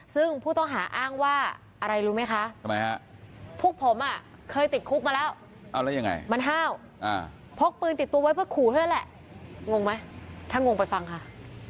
ซึ่งผู้ต้องหาอ้างว่าอะไรรู้ไหมคะพวกผมเคยติดคุกมาแล้วเอาแล้วยังไงมันห้าวพกปืนติดตัวไว้เพื่อขู่เท่านั้นแหละงงไหมถ้างงไปฟังค่ะ